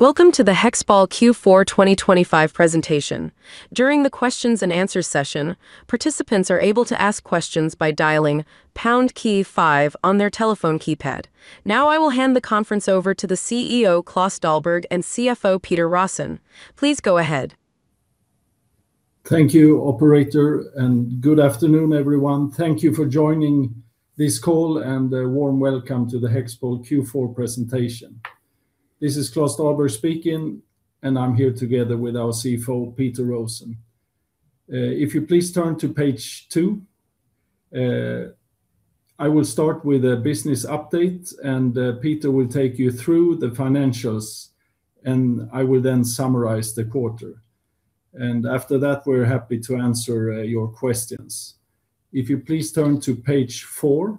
Welcome to the HEXPOL Q4 2025 presentation. During the Q&A session, participants are able to ask questions by dialing pound key five on their telephone keypad. Now, I will hand the conference over to the CEO, Klas Dahlberg, and CFO, Peter Rosén. Please go ahead. Thank you, Operator, and good afternoon, everyone. Thank you for joining this call, and a warm welcome to the HEXPOL Q4 presentation. This is Klas Dahlberg speaking, and I'm here together with our CFO, Peter Rosén. If you please turn to page two, I will start with a business update, and Peter will take you through the financials, and I will then summarize the quarter. After that, we're happy to answer your questions. If you please turn to page 4,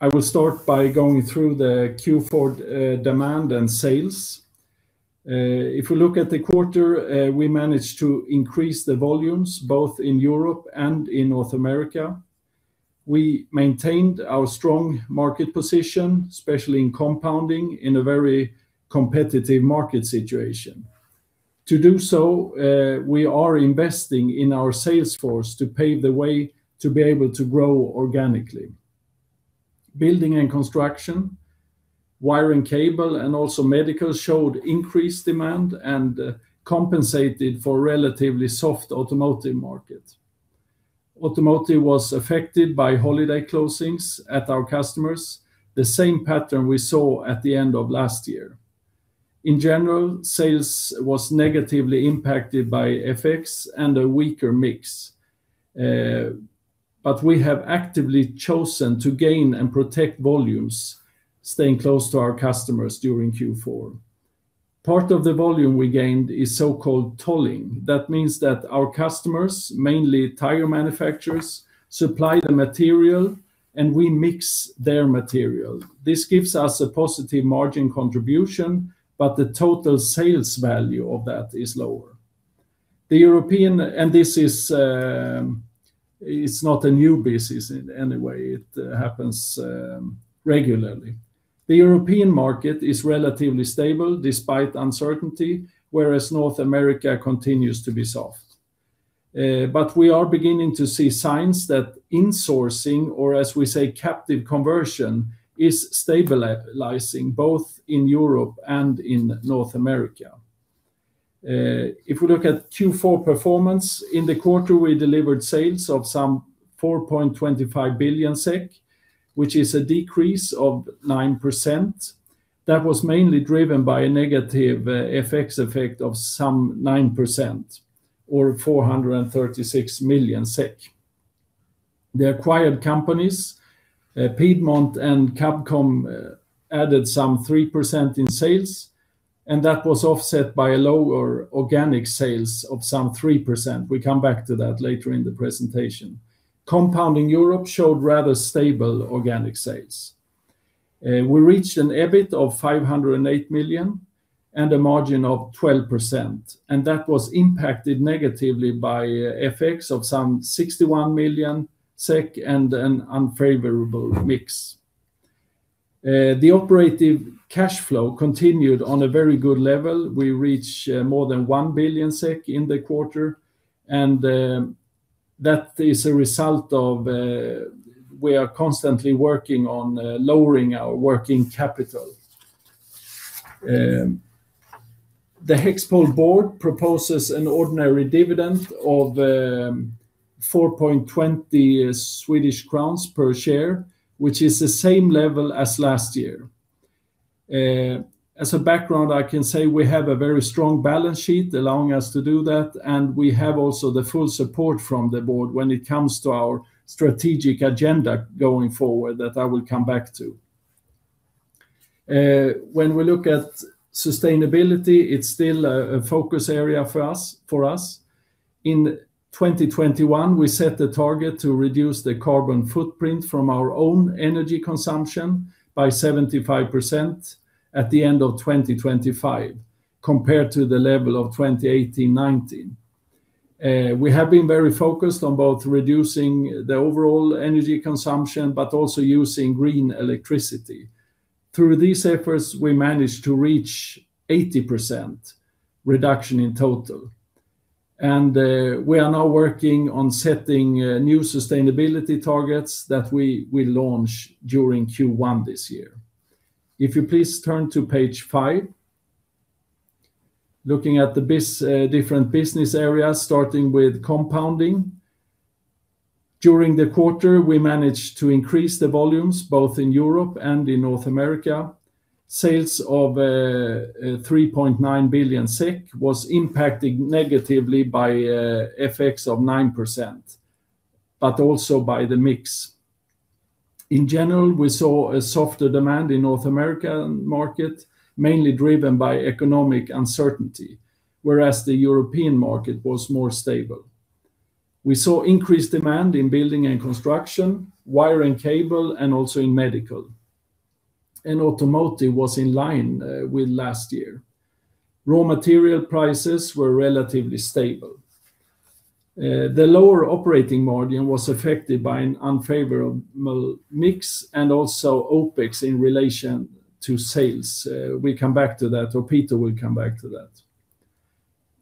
I will start by going through the Q4 demand and sales. If we look at the quarter, we managed to increase the volumes both in Europe and in North America. We maintained our strong market position, especially in Compounding, in a very competitive market situation. To do so, we are investing in our sales force to pave the way to be able to grow organically. Building and construction, wire and cable, and also medical showed increased demand and compensated for a relatively soft automotive market. Automotive was affected by holiday closings at our customers, the same pattern we saw at the end of last year. In general, sales was negatively impacted by FX and a weaker mix, but we have actively chosen to gain and protect volumes, staying close to our customers during Q4. Part of the volume we gained is so-called tolling. That means that our customers, mainly tire manufacturers, supply the material, and we mix their material. This gives us a positive margin contribution, but the total sales value of that is lower. The European, and this is not a new business in any way. It happens regularly. The European market is relatively stable despite uncertainty, whereas North America continues to be soft. But we are beginning to see signs that insourcing, or as we say, captive conversion, is stabilizing both in Europe and in North America. If we look at Q4 performance, in the quarter we delivered sales of some 4.25 billion SEK, which is a decrease of 9%. That was mainly driven by a negative FX effect of some 9%, or 436 million SEK. The acquired companies, Piedmont and Kabkom, added some 3% in sales, and that was offset by a lower organic sales of some 3%. We come back to that later in the presentation. Compounding Europe showed rather stable organic sales. We reached an EBIT of 508 million and a margin of 12%, and that was impacted negatively by FX of some 61 million SEK and an unfavorable mix. The operative cash flow continued on a very good level. We reached more than 1 billion SEK in the quarter, and that is a result of we are constantly working on lowering our working capital. The HEXPOL board proposes an ordinary dividend of 4.20 Swedish crowns per share, which is the same level as last year. As a background, I can say we have a very strong balance sheet allowing us to do that, and we have also the full support from the board when it comes to our strategic agenda going forward that I will come back to. When we look at sustainability, it's still a focus area for us. In 2021, we set a target to reduce the carbon footprint from our own energy consumption by 75% at the end of 2025, compared to the level of 2018-19. We have been very focused on both reducing the overall energy consumption but also using green electricity. Through these efforts, we managed to reach 80% reduction in total, and we are now working on setting new sustainability targets that we will launch during Q1 this year. If you please turn to page five, looking at the different business areas, starting with Compounding. During the quarter, we managed to increase the volumes both in Europe and in North America. Sales of 3.9 billion SEK was impacted negatively by FX of 9%, but also by the mix. In general, we saw a softer demand in North America market, mainly driven by economic uncertainty, whereas the European market was more stable. We saw increased demand in building and construction, wire and cable, and also in medical. Automotive was in line with last year. Raw material prices were relatively stable. The lower operating margin was affected by an unfavorable mix and also OPEX in relation to sales. We come back to that, or Peter will come back to that.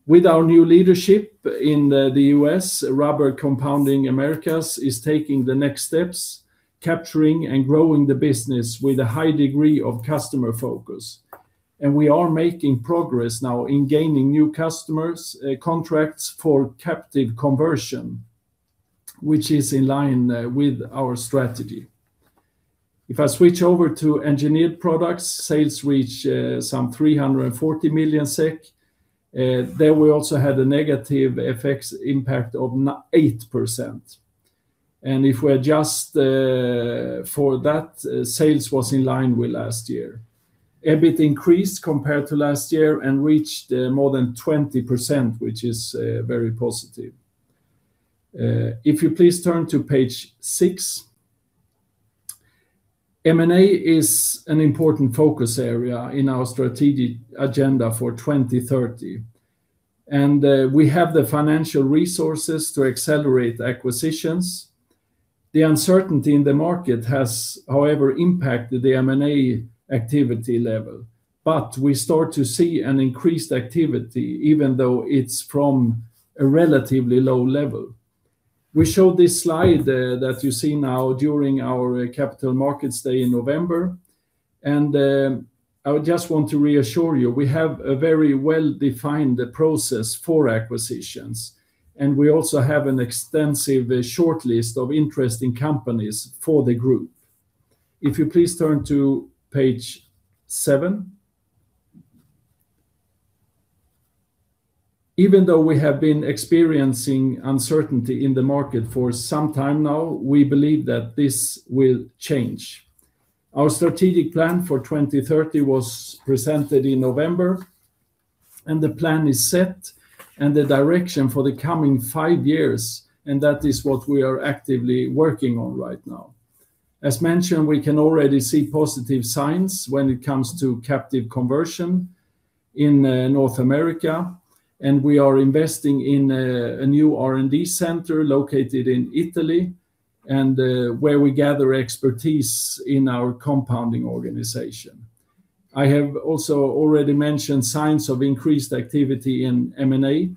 With our new leadership in the U.S., Rubber Compounding Americas is taking the next steps, capturing and growing the business with a high degree of customer focus. And we are making progress now in gaining new customers, contracts for captive conversion, which is in line with our strategy. If I switch over to Engineered Products, sales reach some 340 million SEK. There we also had a negative FX impact of 8%. And if we adjust for that, sales was in line with last year. EBIT increased compared to last year and reached more than 20%, which is very positive. If you please turn to page six, M&A is an important focus area in our strategic agenda for 2030, and we have the financial resources to accelerate acquisitions. The uncertainty in the market has, however, impacted the M&A activity level, but we start to see an increased activity even though it's from a relatively low level. We showed this slide that you see now during our Capital Markets Day in November, and I just want to reassure you we have a very well-defined process for acquisitions, and we also have an extensive shortlist of interesting companies for the group. If you please turn to page seven, even though we have been experiencing uncertainty in the market for some time now, we believe that this will change. Our strategic plan for 2030 was presented in November, and the plan is set and the direction for the coming five years, and that is what we are actively working on right now. As mentioned, we can already see positive signs when it comes to captive conversion in North America, and we are investing in a new R&D center located in Italy and where we gather expertise in our Compounding organization. I have also already mentioned signs of increased activity in M&A.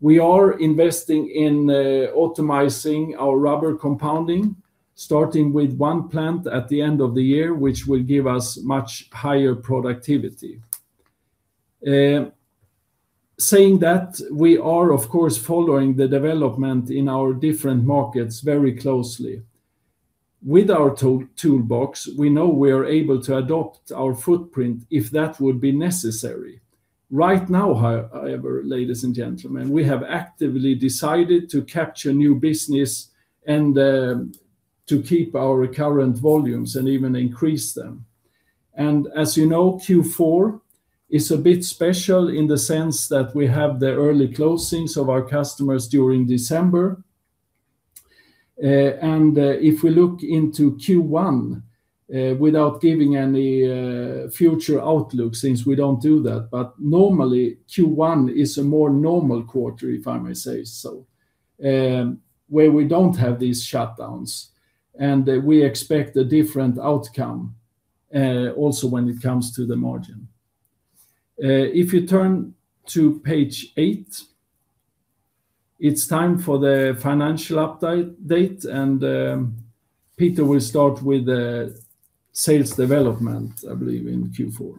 We are investing in optimizing our Rubber Compounding, starting with one plant at the end of the year, which will give us much higher productivity. Saying that, we are, of course, following the development in our different markets very closely. With our toolbox, we know we are able to adopt our footprint if that would be necessary. Right now, however, ladies and gentlemen, we have actively decided to capture new business and to keep our current volumes and even increase them. As you know, Q4 is a bit special in the sense that we have the early closings of our customers during December. If we look into Q1, without giving any future outlook since we don't do that, but normally Q1 is a more normal quarter, if I may say so, where we don't have these shutdowns, and we expect a different outcome also when it comes to the margin. If you turn to page eight, it's time for the financial update, and Peter will start with sales development, I believe, in Q4.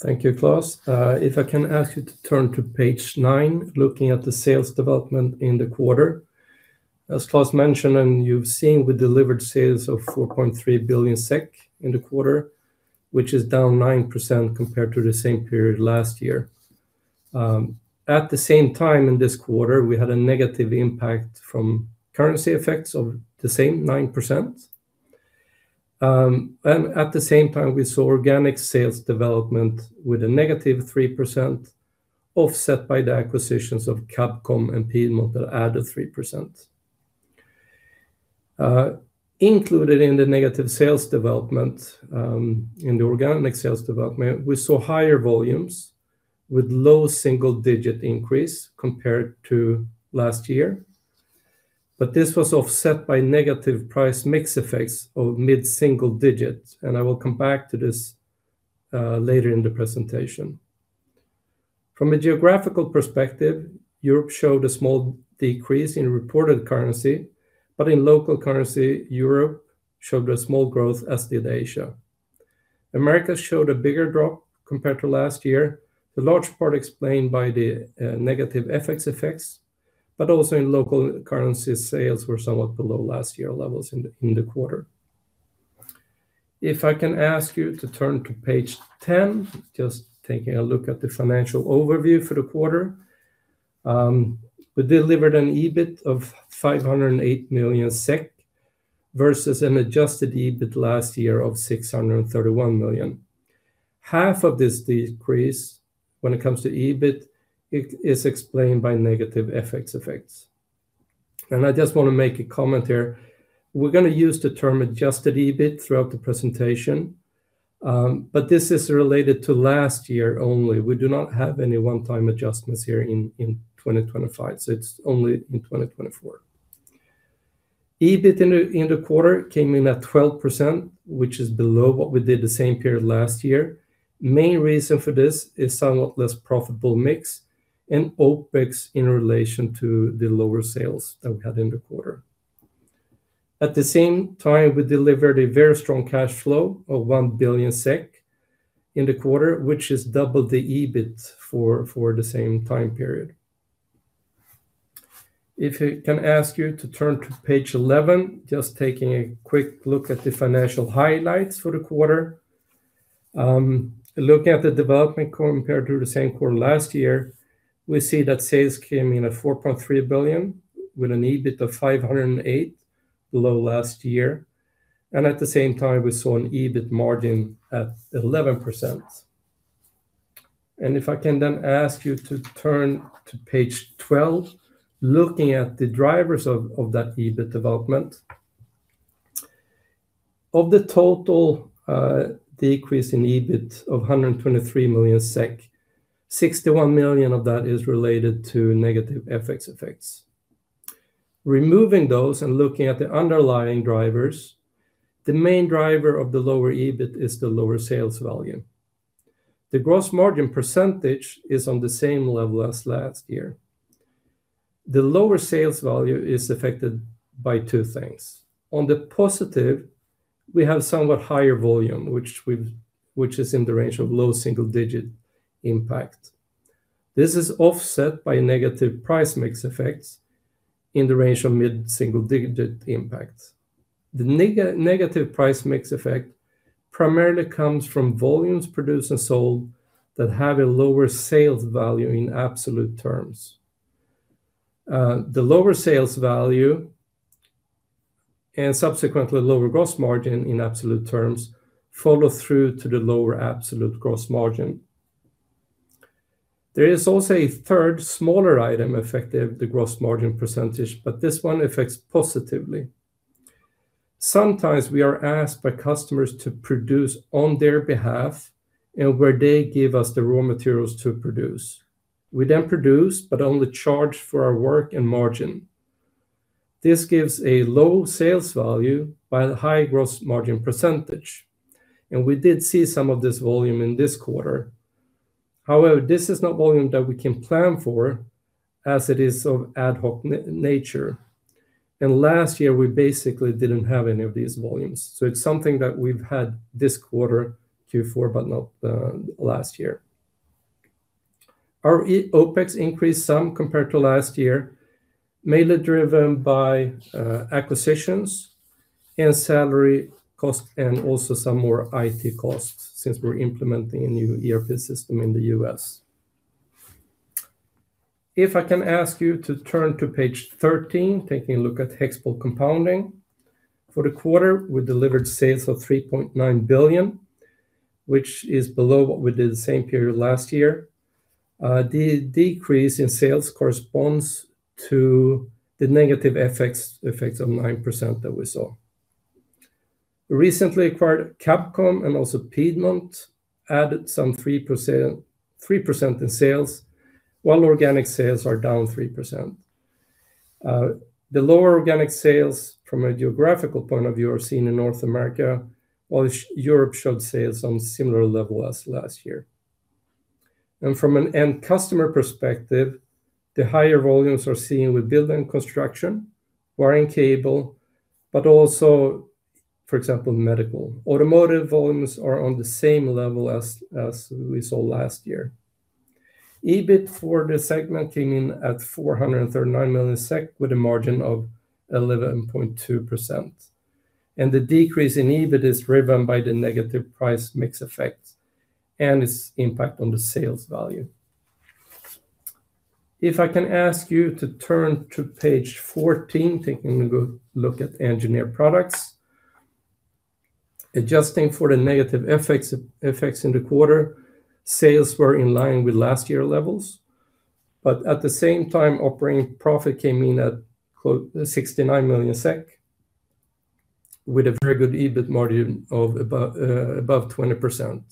Thank you, Klas. If I can ask you to turn to page nine, looking at the sales development in the quarter. As Klas mentioned and you've seen, we delivered sales of 4.3 billion SEK in the quarter, which is down 9% compared to the same period last year. At the same time, in this quarter, we had a negative impact from currency effects of the same 9%. At the same time, we saw organic sales development with a -3%, offset by the acquisitions of Kabkom and Piedmont that added +3%. Included in the negative sales development, in the organic sales development, we saw higher volumes with low single-digit increase compared to last year, but this was offset by negative price mix effects of mid-single digits, and I will come back to this later in the presentation. From a geographical perspective, Europe showed a small decrease in reported currency, but in local currency, Europe showed a small growth, as did Asia. America showed a bigger drop compared to last year, to large part explained by the negative FX effects, but also in local currency, sales were somewhat below last year's levels in the quarter. If I can ask you to turn to page 10, just taking a look at the financial overview for the quarter, we delivered an EBIT of 508 million SEK versus an Adjusted EBIT last year of 631 million. Half of this decrease when it comes to EBIT is explained by negative FX effects. And I just want to make a comment here. We're going to use the term Adjusted EBIT throughout the presentation, but this is related to last year only. We do not have any one-time adjustments here in 2025, so it's only in 2024. EBIT in the quarter came in at 12%, which is below what we did the same period last year. The main reason for this is somewhat less profitable mix and OPEX in relation to the lower sales that we had in the quarter. At the same time, we delivered a very strong cash flow of 1 billion SEK in the quarter, which is double the EBIT for the same time period. If I can ask you to turn to page 11, just taking a quick look at the financial highlights for the quarter. Looking at the development compared to the same quarter last year, we see that sales came in at 4.3 billion with an EBIT of 508 million, below last year. At the same time, we saw an EBIT margin at 11%. If I can then ask you to turn to page 12, looking at the drivers of that EBIT development. Of the total decrease in EBIT of 123 million SEK, 61 million of that is related to negative FX effects. Removing those and looking at the underlying drivers, the main driver of the lower EBIT is the lower sales value. The gross margin percentage is on the same level as last year. The lower sales value is affected by two things. On the positive, we have somewhat higher volume, which is in the range of low single-digit impact. This is offset by negative price mix effects in the range of mid-single-digit impact. The negative price mix effect primarily comes from volumes produced and sold that have a lower sales value in absolute terms. The lower sales value and subsequently lower gross margin in absolute terms follow through to the lower absolute gross margin. There is also a third smaller item affecting the gross margin percentage, but this one affects positively. Sometimes we are asked by customers to produce on their behalf, and where they give us the raw materials to produce. We then produce, but only charge for our work and margin. This gives a low sales value by a high gross margin percentage, and we did see some of this volume in this quarter. However, this is not volume that we can plan for as it is of ad hoc nature. Last year, we basically didn't have any of these volumes, so it's something that we've had this quarter, Q4, but not last year. Our OPEX increased some compared to last year, mainly driven by acquisitions and salary costs and also some more IT costs since we're implementing a new ERP system in the US. If I can ask you to turn to page 13, taking a look at HEXPOL Compounding. For the quarter, we delivered sales of 3.9 billion, which is below what we did the same period last year. The decrease in sales corresponds to the negative FX effects of 9% that we saw. Recently acquired Kabkom and also Piedmont added some 3% in sales, while organic sales are down 3%. The lower organic sales from a geographical point of view are seen in North America, while Europe showed sales on a similar level as last year. From an end customer perspective, the higher volumes are seen with building construction, wire and cable, but also, for example, medical. Automotive volumes are on the same level as we saw last year. EBIT for the segment came in at 439 million SEK with a margin of 11.2%. The decrease in EBIT is driven by the negative price mix effects and its impact on the sales value. If I can ask you to turn to page 14, taking a good look at Engineered Products. Adjusting for the negative FX effects in the quarter, sales were in line with last year's levels, but at the same time, operating profit came in at 69 million SEK with a very good EBIT margin of about above 20%.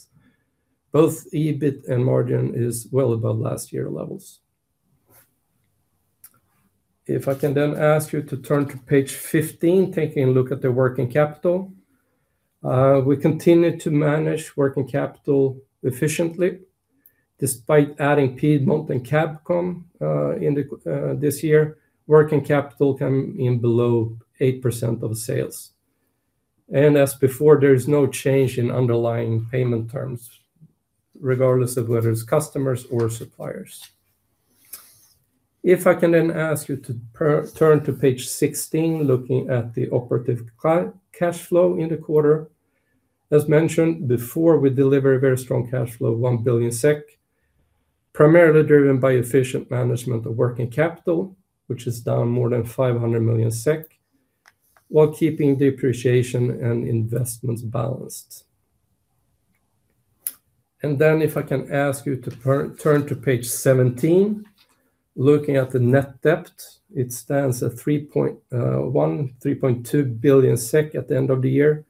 Both EBIT and margin is well above last year's levels. If I can then ask you to turn to page 15, taking a look at the working capital. We continue to manage working capital efficiently. Despite adding Piedmont and Kabkom this year, working capital came in below 8% of sales. As before, there is no change in underlying payment terms, regardless of whether it's customers or suppliers. If I can then ask you to turn to page 16, looking at the operating cash flow in the quarter. As mentioned before, we deliver a very strong cash flow of 1 billion SEK, primarily driven by efficient management of working capital, which is down more than 500 million SEK, while keeping depreciation and investments balanced. Then if I can ask you to turn to page 17, looking at the net debt, it stands at 3.2 billion SEK at the end of the year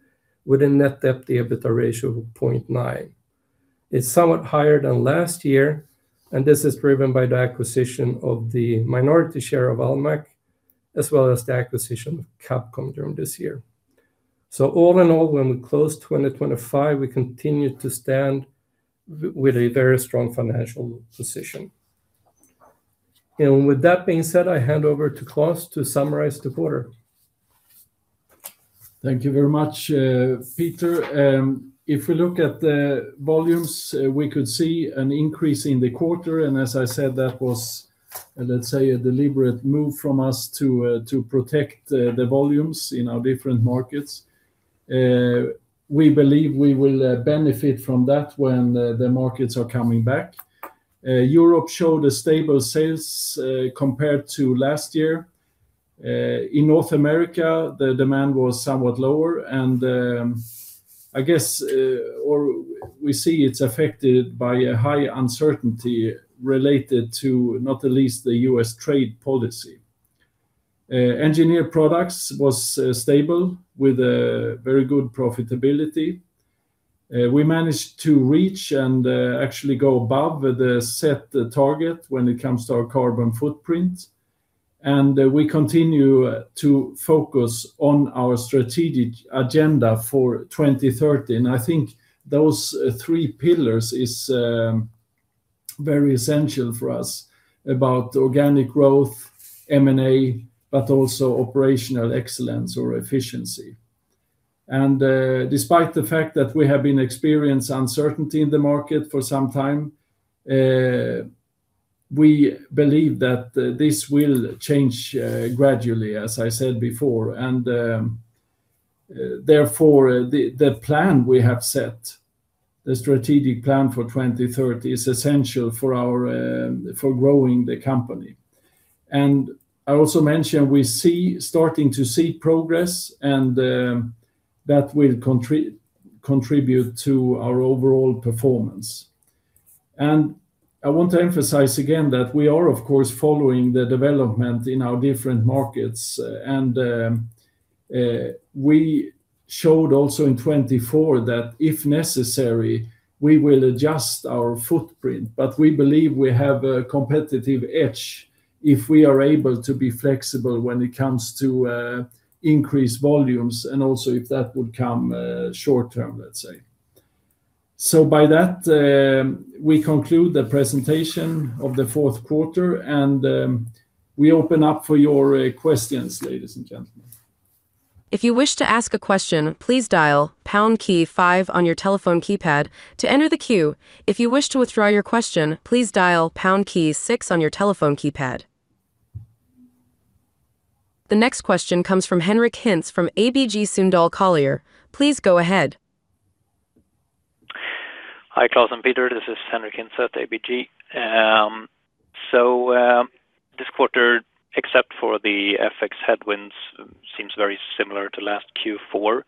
with a net debt/EBITDA ratio of 0.9. It's somewhat higher than last year, and this is driven by the acquisition of the minority share of Almaak, as well as the acquisition of Kabkom during this year. So all in all, when we close 2025, we continue to stand with a very strong financial position. And with that being said, I hand over to Klas to summarize the quarter. Thank you very much, Peter. If we look at the volumes, we could see an increase in the quarter, and as I said, that was, let's say, a deliberate move from us to protect the volumes in our different markets. We believe we will benefit from that when the markets are coming back. Europe showed a stable sales compared to last year. In North America, the demand was somewhat lower, and I guess we see it's affected by a high uncertainty related to, not the least, the U.S. trade policy. Engineered Products was stable with very good profitability. We managed to reach and actually go above the set target when it comes to our carbon footprint, and we continue to focus on our strategic agenda for 2030. I think those three pillars are very essential for us about organic growth, M&A, but also operational excellence or efficiency. Despite the fact that we have been experiencing uncertainty in the market for some time, we believe that this will change gradually, as I said before. Therefore, the plan we have set, the strategic plan for 2030, is essential for growing the company. I also mentioned we see starting to see progress, and that will contribute to our overall performance. I want to emphasize again that we are, of course, following the development in our different markets, and we showed also in 2024 that if necessary, we will adjust our footprint, but we believe we have a competitive edge if we are able to be flexible when it comes to increased volumes and also if that would come short term, let's say. So by that, we conclude the presentation of the fourth quarter, and we open up for your questions, ladies and gentlemen. If you wish to ask a question, please dial #5 on your telephone keypad to enter the queue. If you wish to withdraw your question, please dial #6 on your telephone keypad. The next question comes from Henric Hintze from ABG Sundal Collier. Please go ahead. Hi, Klas and Peter. This is Henric Hintze at ABG. So this quarter, except for the FX headwinds, seems very similar to last Q4.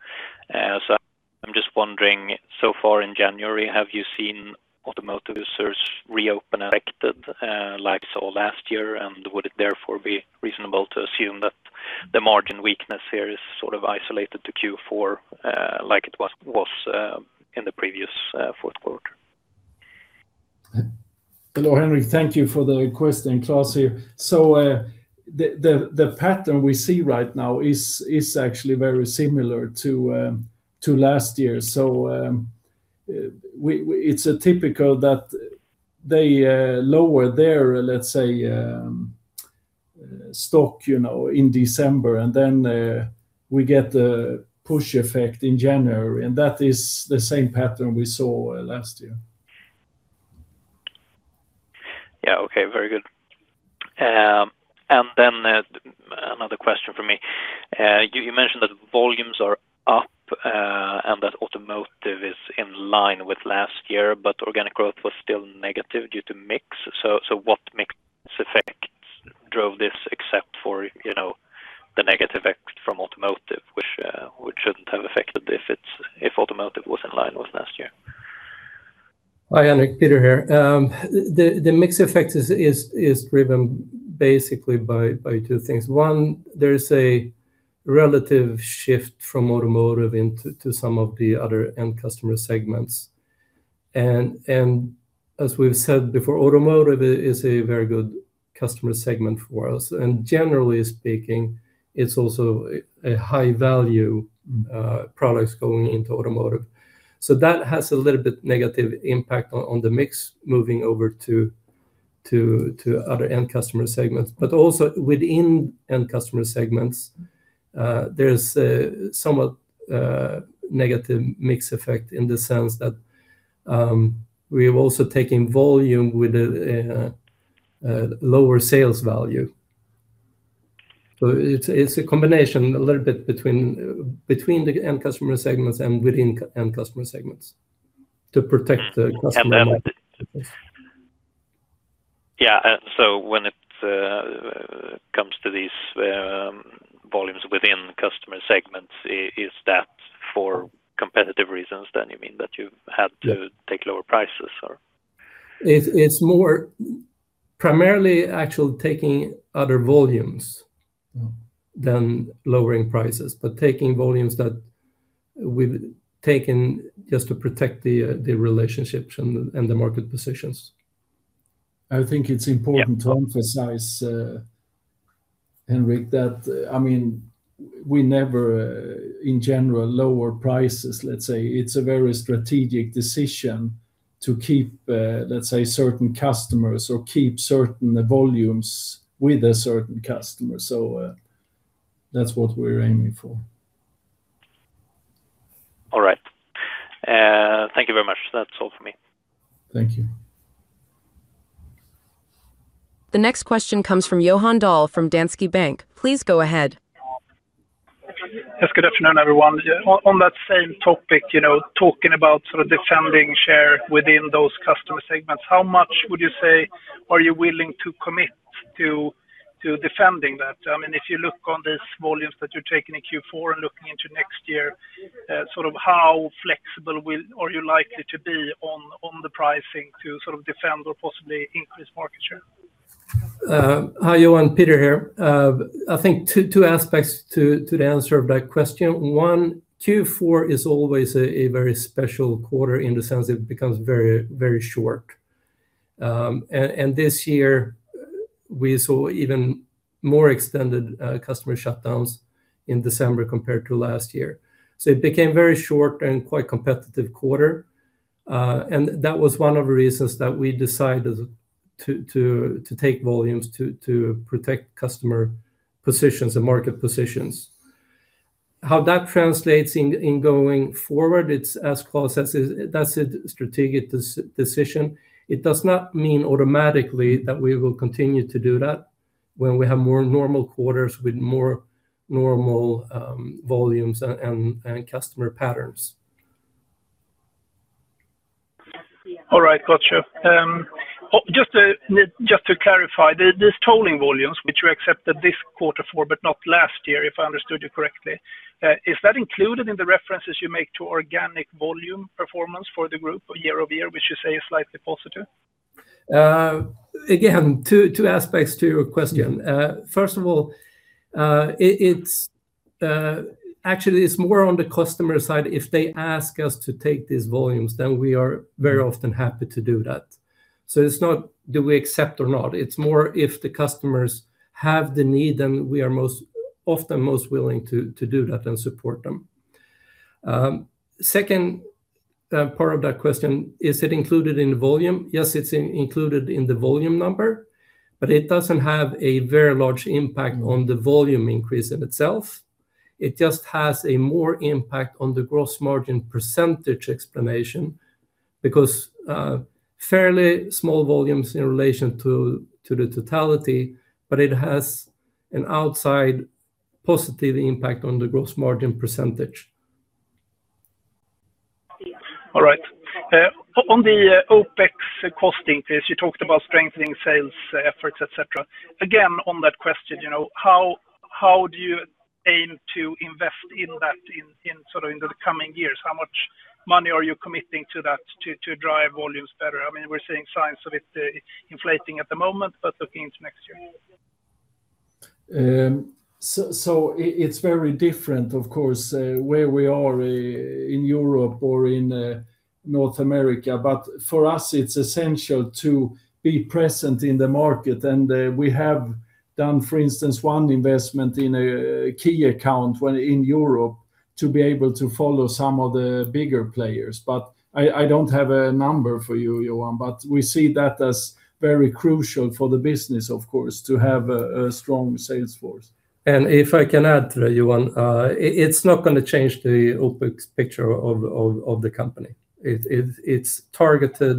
So I'm just wondering, so far in January, have you seen automotive users reopen affected like we saw last year? And would it therefore be reasonable to assume that the margin weakness here is sort of isolated to Q4 like it was in the previous Q4? Hello, Henrik. Thank you for the question, Klas here. So the pattern we see right now is actually very similar to last year. So it's typical that they lower their, let's say, stock in December, and then we get the push effect in January, and that is the same pattern we saw last year. Yeah, okay, very good. And then another question for me. You mentioned that volumes are up and that automotive is in line with last year, but organic growth was still negative due to mix. So what mix effect drove this except for the negative effect from automotive, which shouldn't have affected if automotive was in line with last year? Hi, Henrik, Peter here. The mix effect is driven basically by two things. One, there is a relative shift from automotive into some of the other end customer segments. And as we've said before, automotive is a very good customer segment for us. And generally speaking, it's also a high-value product going into automotive. So that has a little bit negative impact on the mix moving over to other end customer segments. But also within end customer segments, there's somewhat negative mix effect in the sense that we're also taking volume with a lower sales value. So it's a combination a little bit between the end customer segments and within end customer segments to protect the customer. Yeah, so when it comes to these volumes within customer segments, is that for competitive reasons? Then you mean that you had to take lower prices or? It's more primarily actually taking other volumes than lowering prices, but taking volumes that we've taken just to protect the relationships and the market positions. I think it's important to emphasize, Henrik, that I mean we never, in general, lower prices, let's say. It's a very strategic decision to keep, let's say, certain customers or keep certain volumes with a certain customer. So that's what we're aiming for. All right. Thank you very much. That's all for me. Thank you. The next question comes from Johan Dahl from Danske Bank. Please go ahead. Yes, good afternoon, everyone. On that same topic, talking about sort of defending share within those customer segments, how much would you say are you willing to commit to defending that? I mean, if you look on these volumes that you're taking in Q4 and looking into next year, sort of how flexible are you likely to be on the pricing to sort of defend or possibly increase market share? Hi, Johan. Peter here. I think two aspects to the answer of that question. One, Q4 is always a very special quarter in the sense it becomes very, very short. And this year, we saw even more extended customer shutdowns in December compared to last year. So it became a very short and quite competitive quarter. And that was one of the reasons that we decided to take volumes to protect customer positions and market positions. How that translates in going forward, it's as Klas says, that's a strategic decision. It does not mean automatically that we will continue to do that when we have more normal quarters with more normal volumes and customer patterns. All right, Klas. Just to clarify, these tolling volumes, which you accepted this quarter for, but not last year, if I understood you correctly, is that included in the references you make to organic volume performance for the group year-over-year, which you say is slightly positive? Again, two aspects to your question. First of all, actually, it's more on the customer side. If they ask us to take these volumes, then we are very often happy to do that. So it's not do we accept or not. It's more if the customers have the need, then we are often most willing to do that and support them. Second part of that question, is it included in the volume? Yes, it's included in the volume number, but it doesn't have a very large impact on the volume increase in itself. It just has a more impact on the gross margin percentage explanation because fairly small volumes in relation to the totality, but it has an outside positive impact on the gross margin percentage. All right. On the OPEX cost increase, you talked about strengthening sales efforts, etc. Again, on that question, how do you aim to invest in that in sort of the coming years? How much money are you committing to that to drive volumes better? I mean, we're seeing signs of it inflating at the moment, but looking into next year. So it's very different, of course, where we are in Europe or in North America, but for us, it's essential to be present in the market. And we have done, for instance, one investment in a key account in Europe to be able to follow some of the bigger players. But I don't have a number for you, Johan, but we see that as very crucial for the business, of course, to have a strong sales force. And if I can add, Johan, it's not going to change the OPEX picture of the company. It's targeted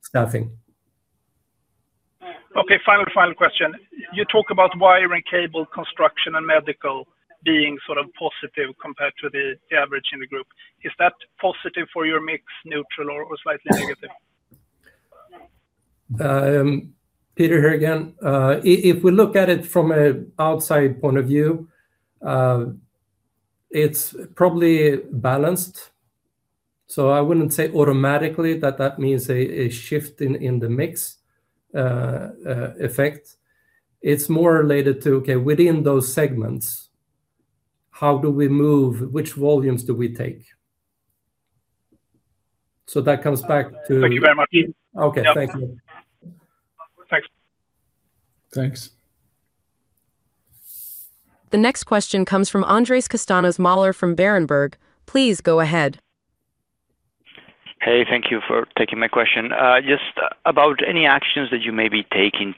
staffing. Okay, final question. You talk about wiring, cable construction, and medical being sort of positive compared to the average in the group. Is that positive for your mix, neutral, or slightly negative? Peter here again. If we look at it from an outside point of view, it's probably balanced. So I wouldn't say automatically that that means a shift in the mix effect. It's more related to, okay, within those segments, how do we move, which volumes do we take? So that comes back to. Thank you very much. Okay, thank you. Thanks. Thanks. The next question comes from Andrés Castaños-Mollor from Berenberg. Please go ahead. Hey, thank you for taking my question. Just about any actions that you may be taking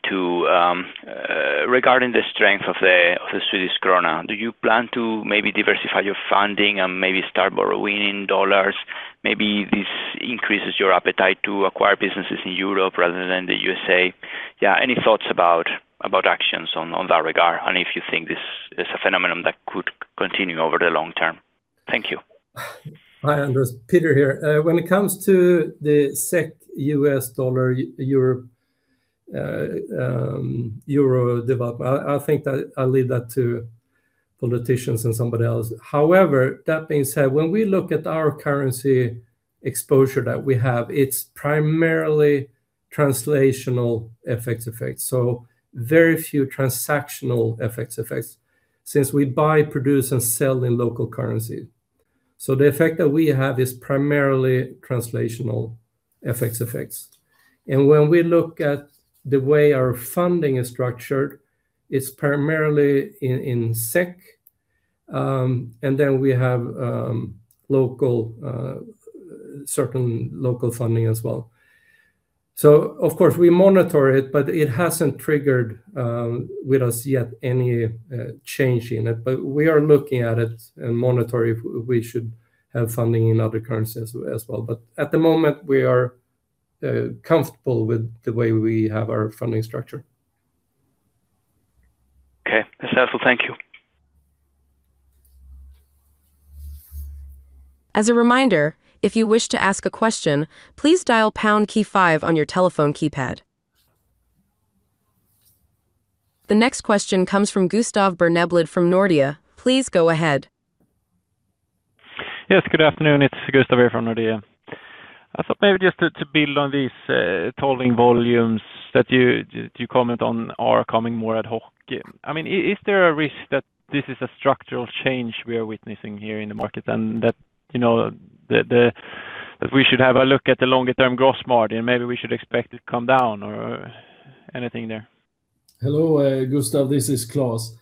regarding the strength of the Swedish krona? Do you plan to maybe diversify your funding and maybe start borrowing in dollars? Maybe this increases your appetite to acquire businesses in Europe rather than the USA. Yeah, any thoughts about actions in that regard and if you think this is a phenomenon that could continue over the long term? Thank you. Hi, Andrés. Peter here. When it comes to the SEK, US dollar, euro, euro development, I think I'll leave that to politicians and somebody else. However, that being said, when we look at our currency exposure that we have, it's primarily translational effects effects. So very few transactional effects effects since we buy, produce, and sell in local currency. So the effect that we have is primarily translational effects effects. And when we look at the way our funding is structured, it's primarily in SEK, and then we have certain local funding as well. So of course, we monitor it, but it hasn't triggered with us yet any change in it. But we are looking at it and monitor if we should have funding in other currencies as well. But at the moment, we are comfortable with the way we have our funding structure. Okay, that's helpful. Thank you. As a reminder, if you wish to ask a question, please dial #5 on your telephone keypad. The next question comes from Gustav Berneblad from Nordea. Please go ahead. Yes, good afternoon. It's Gustav here from Nordea. I thought maybe just to build on these tolling volumes that you comment on are coming more ad hoc. I mean, is there a risk that this is a structural change we are witnessing here in the market and that we should have a look at the longer-term gross margin? Maybe we should expect it to come down or anything there? Hello, Gustav. This is Klas.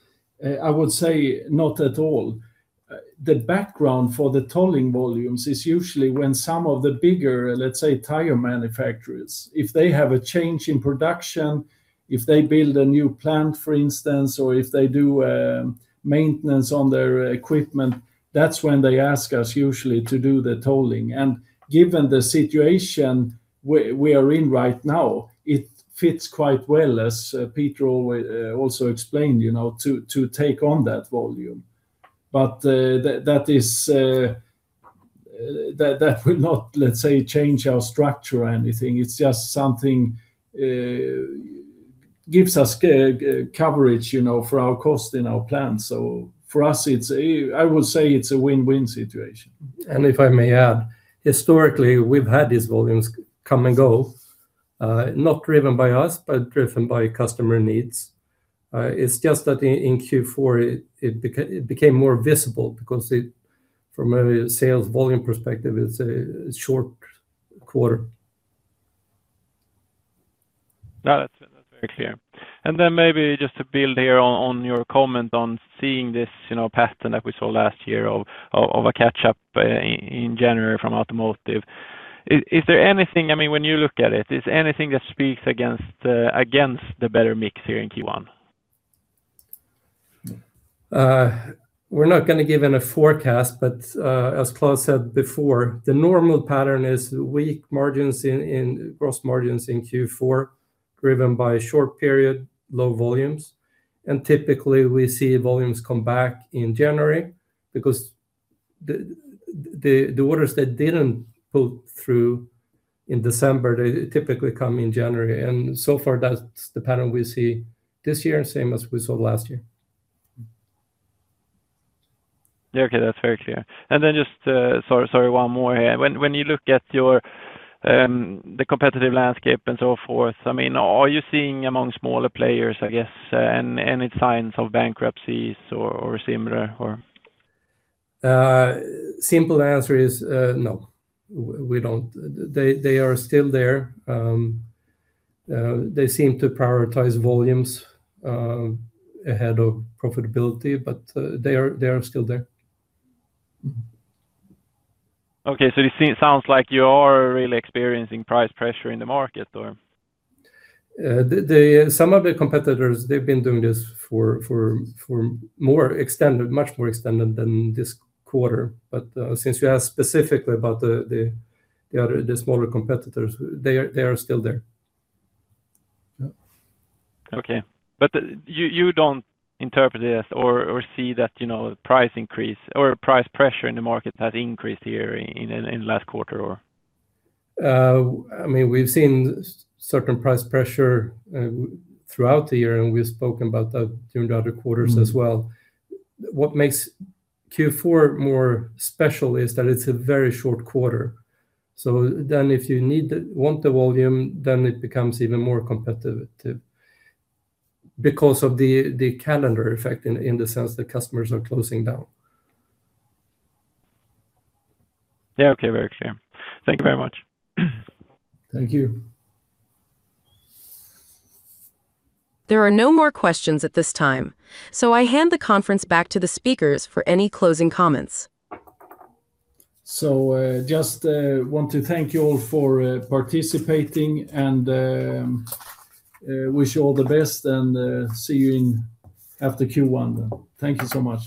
I would say not at all. The background for the tolling volumes is usually when some of the bigger, let's say, tire manufacturers, if they have a change in production, if they build a new plant, for instance, or if they do maintenance on their equipment, that's when they ask us usually to do the tolling. And given the situation we are in right now, it fits quite well, as Peter also explained, to take on that volume. But that will not, let's say, change our structure or anything. It's just something that gives us coverage for our cost in our plant. So for us, I would say it's a win-win situation. And if I may add, historically, we've had these volumes come and go, not driven by us, but driven by customer needs. It's just that in Q4, it became more visible because from a sales volume perspective, it's a short quarter. Yeah, that's very clear. And then maybe just to build here on your comment on seeing this pattern that we saw last year of a catch-up in January from automotive, is there anything, I mean, when you look at it, is there anything that speaks against the better mix here in Q1? We're not going to give a forecast, but as Klas said before, the normal pattern is weak margins in gross margins in Q4, driven by short period, low volumes. Typically, we see volumes come back in January because the orders that didn't pull through in December, they typically come in January. So far, that's the pattern we see this year, same as we saw last year. Okay, that's very clear. And then just, sorry, one more here. When you look at the competitive landscape and so forth, I mean, are you seeing among smaller players, I guess, any signs of bankruptcies or similar? Simple answer is no. They are still there. They seem to prioritize volumes ahead of profitability, but they are still there. Okay, so it sounds like you are really experiencing price pressure in the market or? Some of the competitors, they've been doing this for much more extended than this quarter. Since you asked specifically about the smaller competitors, they are still there. Okay, but you don't interpret this or see that price increase or price pressure in the market has increased here in the last quarter or? I mean, we've seen certain price pressure throughout the year, and we've spoken about that during the other quarters as well. What makes Q4 more special is that it's a very short quarter. So then if you want the volume, then it becomes even more competitive because of the calendar effect in the sense that customers are closing down. Yeah, okay, very clear. Thank you very much. Thank you. There are no more questions at this time. So I hand the conference back to the speakers for any closing comments. Just want to thank you all for participating and wish you all the best, and see you after Q1. Thank you so much.